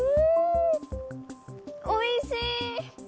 おいしい！